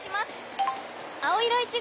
青色１号」。